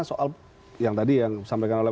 soal yang tadi yang disampaikan oleh